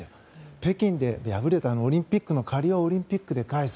北京で敗れたオリンピックの借りはオリンピックで返す。